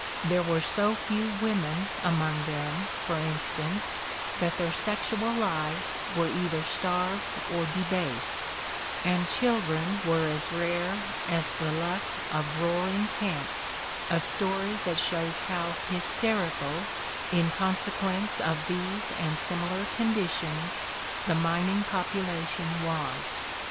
There were so few women among them, for instance, that their sexual lives were either starved or debased; and chil dren were as rare as the "Luck" of Roaring Camp, a story that shows how hysterical, in consequence of these and similar conditions, the mining population was.